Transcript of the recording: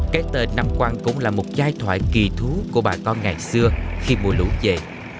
cái tên năm quang cũng là một giai thoại kỳ thú của bà con ngày xưa khi mùa lũ về